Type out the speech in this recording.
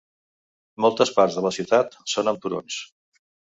Moltes parts de la ciutat són amb turons.